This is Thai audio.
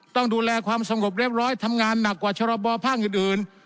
ต้องดูแลความสงบเรียบร้อยทำงานหนักกว่าชรบภาคอื่น